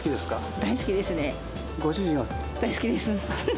大好きです。